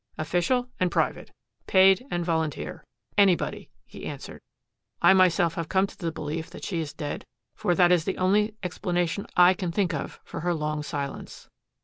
"Official and private paid and volunteer anybody," he answered. "I myself have come to the belief that she is dead, for that is the only explanation I can think of for her long silence."